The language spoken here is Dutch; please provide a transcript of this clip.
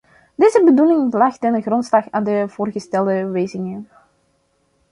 Deze bedoeling lag ten grondslag aan de voorgestelde wijzigingen.